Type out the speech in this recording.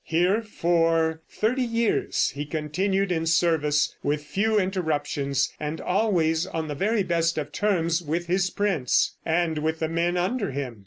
Here for thirty years he continued in service, with few interruptions, and always on the very best of terms with his prince, and with the men under him.